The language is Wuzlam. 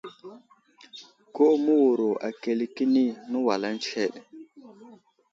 Ku məwuro akəle kəni nəwalaŋ tsəhed.